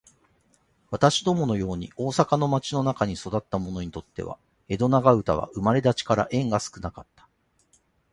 私どもの様に大阪の町の中に育つた者にとつては、江戸長唄は生れだちから縁が少かつた。